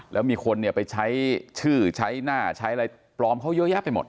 แล้วมีคนเนี่ยไปใช้ชื่อใช้หน้าใช้อะไรปลอมเขาเยอะแยะไปหมด